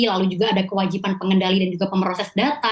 lalu juga ada kewajiban pengendali dan juga pemroses data